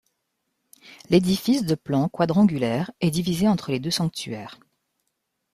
L'édifice de plan quadrangulaire, est divisé entre les deux sanctuaires.